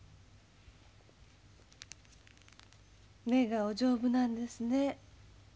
根がお丈夫なんですね。